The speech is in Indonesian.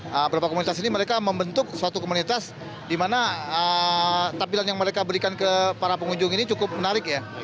nah beberapa komunitas ini mereka membentuk suatu komunitas di mana tampilan yang mereka berikan ke para pengunjung ini cukup menarik ya